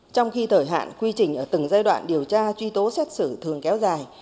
trong khi thời hạn quy trình ở từng giai đoạn điều tra truy tố xét xử thường kéo dài